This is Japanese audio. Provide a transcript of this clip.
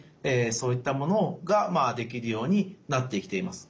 そういったものができるようになってきています。